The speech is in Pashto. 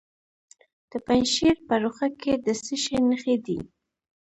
د پنجشیر په روخه کې د څه شي نښې دي؟